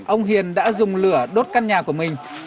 ông hiền đã dùng lửa đốt căn nhà của mình